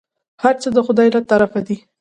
هرڅه د خداى له طرفه دي.